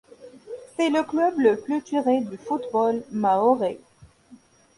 C'est le club le plus titré du football mahorais.